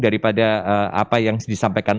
daripada apa yang disampaikan